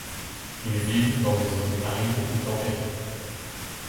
Ils vivent dans des zones arides ou tempérées.